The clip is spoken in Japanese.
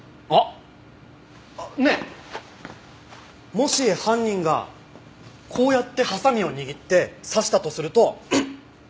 もし犯人がこうやってハサミを握って刺したとするとんっ！